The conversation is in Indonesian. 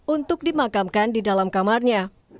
untuk dimakamkan di dalam kamarnya